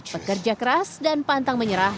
bekerja keras dan pantang menyerah